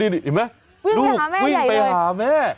วิ่งไปหาแม่ใหญ่เลยลูกวิ่งไปหาแม่